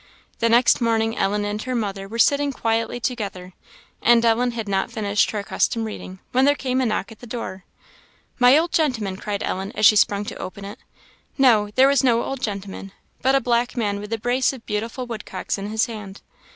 The next morning Ellen and her mother were sitting quietly together, and Ellen had not finished her accustomed reading, when there came a knock at the door. "My old gentleman!" cried Ellen, as she sprung to open it. No there was no old gentleman, but a black man with a brace of beautiful woodcocks in his hand.